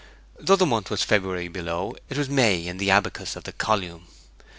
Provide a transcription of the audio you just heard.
Though the month was February below it was May in the abacus of the column.